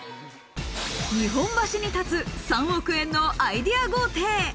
日本橋に建つ３億円のアイデア豪邸。